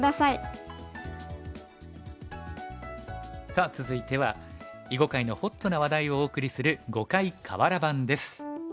さあ続いては囲碁界のホットな話題をお送りする「碁界かわら盤」です。